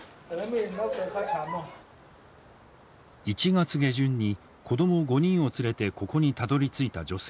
１月下旬に子供５人を連れてここにたどりついた女性。